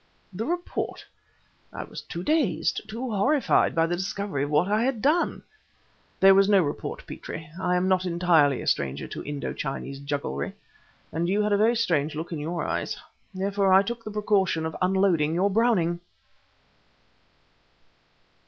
_" "The report? I was too dazed, too horrified, by the discovery of what I had done...." "There was no report, Petrie. I am not entirely a stranger to Indo Chinese jugglery, and you had a very strange look in your eyes. Therefore I took the precaution of unloading your Browning!"